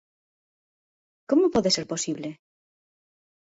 Como pode ser posible?